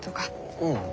うん。